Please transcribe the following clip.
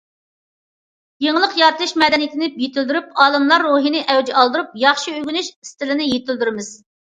يېڭىلىق يارىتىش مەدەنىيىتىنى يېتىلدۈرۈپ، ئالىملار روھىنى ئەۋج ئالدۇرۇپ، ياخشى ئۆگىنىش ئىستىلىنى يېتىلدۈرىمىز.